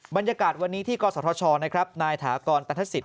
บรรยากาศวันนี้ที่กศธชนะครับนายถากรตันทศิษ